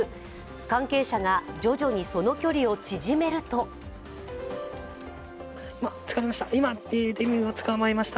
関係者が徐々にその距離を縮めると今、エミューを捕まえました。